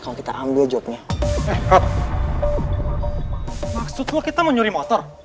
kalau kita mau nyuri motor